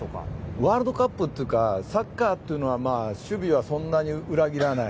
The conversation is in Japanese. ワールドカップというかサッカーというのは守備はそんなに裏切らない。